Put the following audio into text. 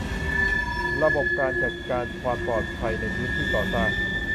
ระบบการจัดการความปลอดภัยในพื้นที่ก่อสร้าง